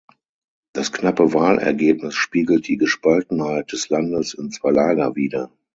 Das knappe Wahlergebnis spiegelt die Gespaltenheit des Landes in zwei Lager wider.